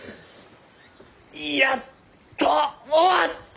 やっと終わった。